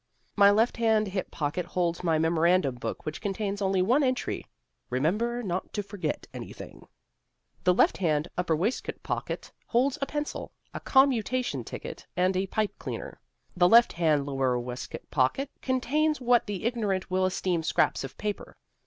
My left hand hip pocket holds my memorandum book, which contains only one entry: Remember not to forget anything. The left hand upper waistcoat pocket holds a pencil, a commutation ticket and a pipe cleaner. The left hand lower waistcoat pocket contains what the ignorant will esteem scraps of paper.